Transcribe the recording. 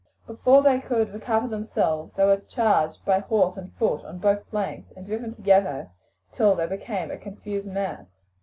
Before they could recover themselves they were charged by horse and foot on both flanks, and driven together till they became a confused mass.